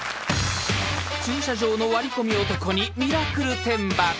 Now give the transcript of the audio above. ［駐車場の割り込み男にミラクル天罰］